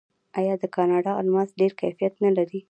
آیا د کاناډا الماس ډیر کیفیت نلري؟